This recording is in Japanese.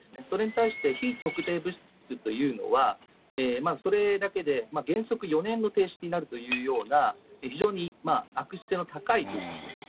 それに対して非特定物質というのは、まずそれだけで、原則４年の停止になるというような、非常に悪質性の高い物質。